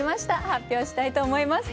発表したいと思います。